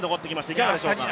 いかがでしょうか。